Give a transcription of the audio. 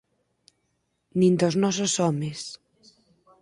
Nin dos nosos homes.